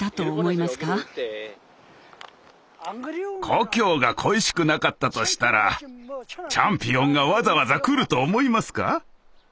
故郷が恋しくなかったとしたらチャンピオンがわざわざ来ると思いますか？